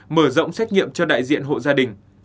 mở rộng xét nghiệm cho đại diện hộ gia đình